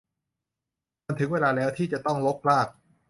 มันถึงเวลาแล้วที่จะต้องตั้งรกราก